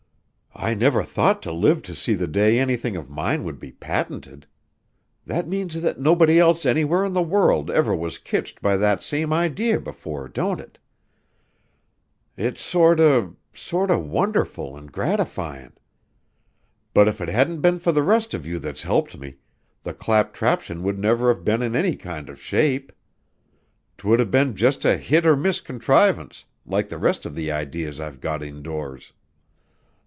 "I never thought to live to see the day anything of mine would be patented. That means that nobody else anywhere in the world ever was kitched by that same idee before, don't it? It's sorter sorter wonderful an' gratifyin'. But if it hadn't been for the rest of you that's helped me, the claptraption would never have been in any kind of shape. 'Twould 'a' been just a hit or miss contrivance like the rest of the idees I've got indoors.